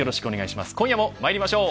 今夜もまいりましょう。